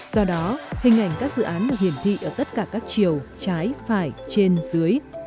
do đó hình ảnh các dự án được hiển thị ở tất cả các chiều trái phải trên dưới